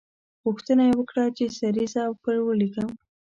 غوښتنه یې وکړه چې سریزه پر ولیکم.